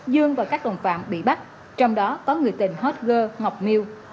dương và các đồng phạm bị bắt trong đó có người tên hot girl ngọc miu